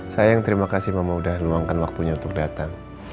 sayang terima kasih mama udah luangkan waktunya untuk datang